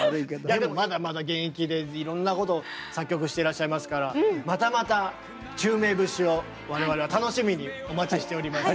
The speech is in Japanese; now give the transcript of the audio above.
いやでもまだまだ現役でいろんなこと作曲していらっしゃいますからまたまた宙明節を我々は楽しみにお待ちしております。